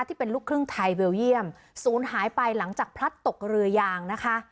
ที่เป็นลูกครึ่งไทยเบลเยี่ยมศูนย์หายไปหลังจากพลัดตกเรือยางนะคะ